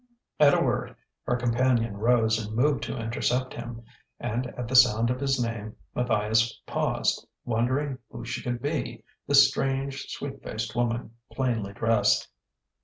At a word, her companion rose and moved to intercept him; and at the sound of his name, Matthias paused, wondering who she could be, this strange, sweet faced woman, plainly dressed.